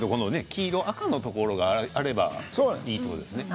黄色と赤のところがあればいいってことですね。